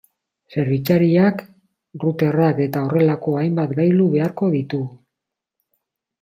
Zerbitzariak, routerrak eta horrelako hainbat gailu beharko ditugu.